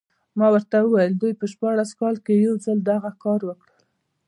ما ورته وویل دوی په شپاړس کال کې یو ځل دغه کار وکړ.